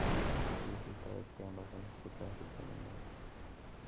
El resultado es que ambas son expulsadas del seminario.